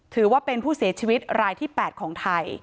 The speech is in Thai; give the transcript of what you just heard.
ถือว่าเป็นผู้เสียชีวิตรายที่๘ของไทย